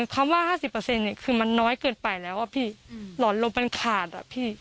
คำว่า๕๐คือมันน้อยเกินไปแล้วหลอนลมมันขาด